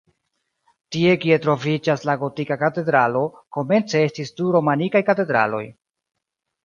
Tie kie troviĝas la gotika katedralo, komence estis du romanikaj katedraloj.